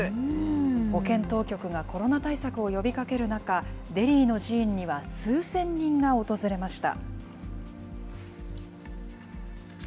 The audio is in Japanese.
保健当局がコロナ対策を呼びかける中、デリーの寺院には数千人が訪れました。